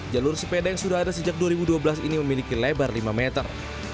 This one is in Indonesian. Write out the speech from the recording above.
jalur sepeda yang sudah ada sejak dua ribu dua belas ini memiliki lebar lima meter